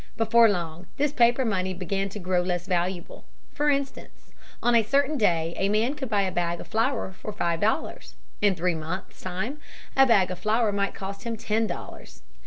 Before long this paper money began to grow less valuable. For instance, on a certain day a man could buy a bag of flour for five dollars. In three months' time a bag of flour might cost him ten dollars.